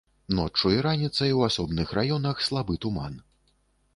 Ноччу і раніцай у асобных раёнах слабы туман.